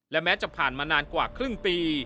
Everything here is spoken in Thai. และแม้จะผ่านมานานกว่าครึ่งปี